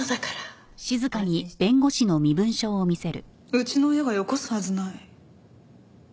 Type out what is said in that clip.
うちの親がよこすはずない。